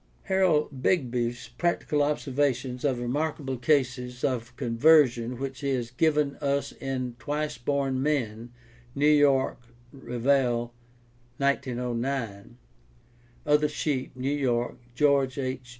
Harold Begbie's practical observa tions of remarkable cases of conversion which he has given us in Twice Born Men (New York: Revell, 1909), Other Sheep (New York: George H.